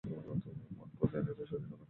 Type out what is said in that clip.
মন প্রতিনিয়ত শরীরে রূপায়িত হইতেছে।